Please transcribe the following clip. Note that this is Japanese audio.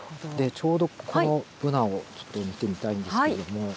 ちょうどここのブナをちょっと見てみたいんですけども。